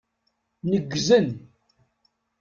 Neggzen.